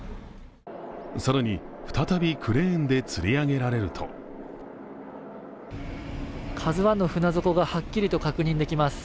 更に、再びクレーンでつり上げられると「ＫＡＺＵⅠ」の船底がはっきりと確認できます。